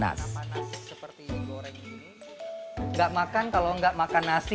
tanaman nasi seperti goreng ini nggak makan kalau nggak makan nasi